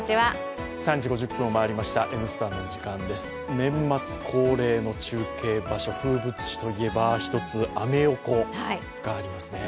年末恒例の中継場所、風物詩といえば一つ、アメ横がありますね。